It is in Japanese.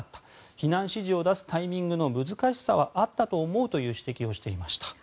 避難指示を出すタイミングの難しさはあったと思うと指摘をしていました。